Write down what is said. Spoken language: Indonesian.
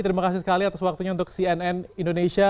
terima kasih sekali atas waktunya untuk cnn indonesia